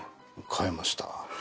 買えました。